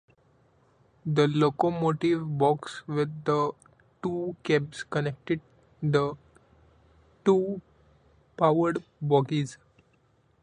The locomotive box with the two cabs connected the two powered bogies.